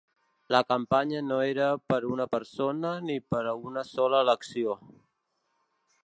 La campanya no era per a una persona ni per a una sola elecció.